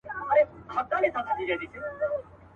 چي لا ګوري دې وطن ته د سکروټو سېلابونه..